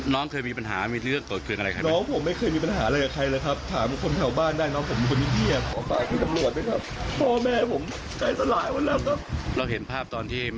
น้องเคยมีปัญหามีเรื่องต่อเคลื่อนกัลอะไรไหม